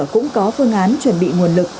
cũng có phương án chuẩn bị nguồn lực